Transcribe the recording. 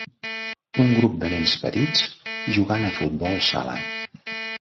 Un grup de nens petits jugant a futbol sala.